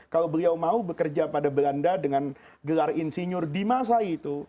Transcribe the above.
kalau beliau mau bekerja pada belanda dengan gelar insinyur di masa itu